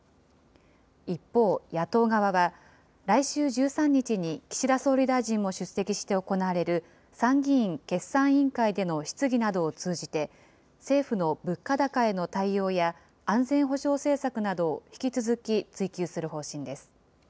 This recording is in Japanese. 一方、野党側は、来週１３日に岸田総理大臣も出席して行われる参議院決算委員会での質疑などを通じて、政府の物価高への対応や、安全保障政策などを引き続き追及する方針です。